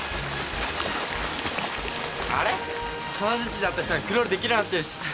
あれ金づちだった人がクロールできるようになってるし。